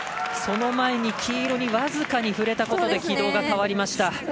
その前に黄色に僅かに触れたことで軌道が変わりました。